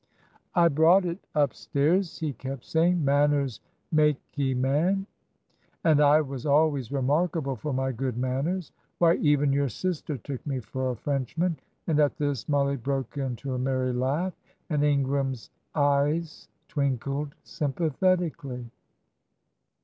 "I brought it upstairs," he kept saying. "'Manners makye man,' and I was always remarkable for my good manners. Why, even your sister took me for a Frenchman." And at this Mollie broke into a merry laugh, and Ingram's eyes twinkled sympathetically.